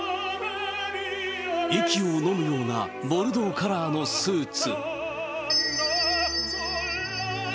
息をのむようなボルドーカラーのスーツ。